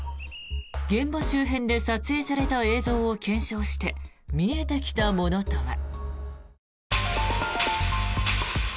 現場周辺で撮影された映像を検証して見えてきたものとは。